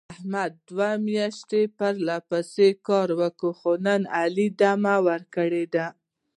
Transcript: احمد دوه میاشتې پرله پسې کار وکړ. خو نن علي دمه ور کړې ده.